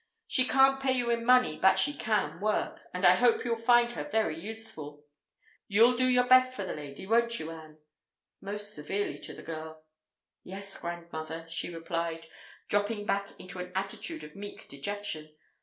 She can't pay you in money, but she can work, and I hope you'll find her very useful. You'll do your best for the lady, won't you, Ann?"—most severely to the girl. "Yes, grandmother," she replied, dropping back into an attitude of meek dejection.